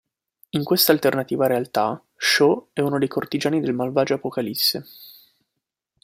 In questa alternativa realtà, Shaw è uno dei cortigiani del malvagio Apocalisse.